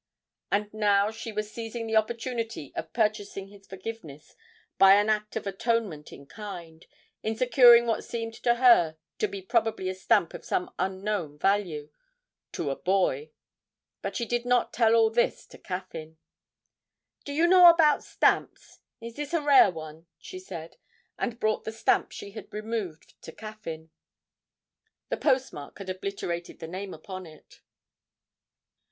And now she was seizing the opportunity of purchasing his forgiveness by an act of atonement in kind, in securing what seemed to her to be probably a stamp of some unknown value to a boy. But she did not tell all this to Caffyn. 'Do you know about stamps is this a rare one?' she said, and brought the stamp she had removed to Caffyn. The postmark had obliterated the name upon it.